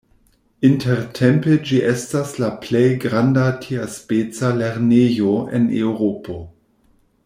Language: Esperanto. Intertempe ĝi estas la plej granda tiaspeca lernejo en Eŭropo.